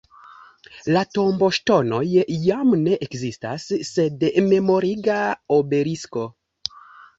La tomboŝtonoj jam ne ekzistas sed memoriga obelisko.